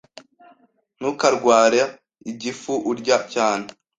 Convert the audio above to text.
Ntukarwara igifu urya cyane.